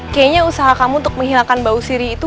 kayaknya usaha kamu untuk menghilangkan bau siri itu